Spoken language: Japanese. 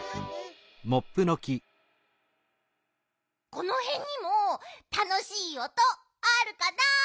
このへんにもたのしいおとあるかな？